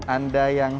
anda yang mau